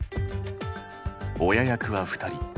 親役は２人。